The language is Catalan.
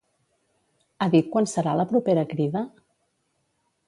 Ha dit quan serà la propera crida?